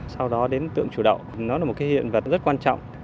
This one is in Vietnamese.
sau đó đến tượng chủ động nó là một cái hiện vật rất quan trọng